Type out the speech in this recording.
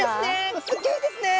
すギョいですね。